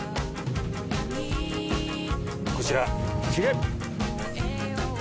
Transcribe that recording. こちら。